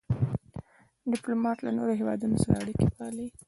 ډيپلومات له نورو هېوادونو سره اړیکي پالي.